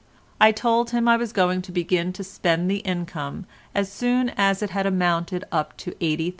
I told him I was going to begin to spend the income as soon as it had amounted up to £80,000.